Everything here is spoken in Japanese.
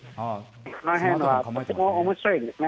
この辺はおもしろいですね。